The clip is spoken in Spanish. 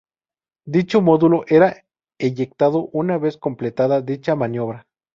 Dicho módulo era eyectado una vez completada dicha maniobra.